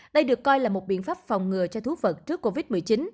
đây được coi là một biện pháp phòng ngừa cho thuốc vật trước covid một mươi chín